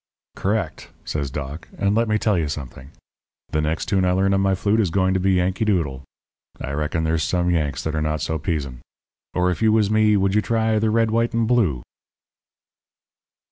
"'Correct,' says Doc. 'And let me tell you something: The next tune I learn on my flute is going to be "Yankee Doodle." I reckon there's some Yanks that are not so pizen. Or, if you was me, would you try "The Red, White, and Blue"?'"